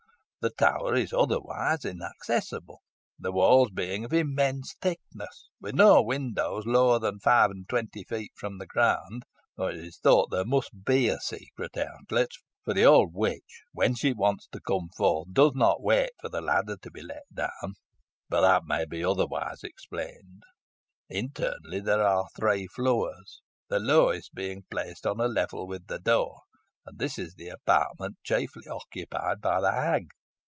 The tower is otherwise inaccessible, the walls being of immense thickness, with no window lower than five and twenty feet from the ground, though it is thought there must be a secret outlet; for the old witch, when she wants to come forth, does not wait for the ladder to be let down. But this may be otherwise explained. Internally there are three floors, the lowest being placed on a level with the door, and this is the apartment chiefly occupied by the hag.